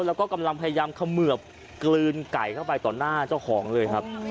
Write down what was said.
แล้วก็กำลังพยายามเขมือบกลืนไก่เข้าไปต่อหน้าเจ้าของเลยครับ